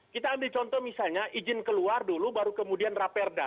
kita ambil contoh misalnya izin keluar dulu baru kemudian raperda